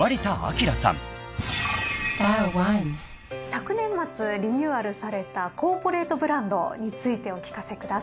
昨年末リニューアルされたコーポレートブランドについてお聞かせください。